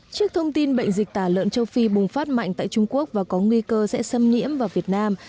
trước thông tin bệnh dịch tả lợn châu phi bùng phát mạnh tại trung quốc và có nguy cơ sẽ xâm nhiễm vào việt nam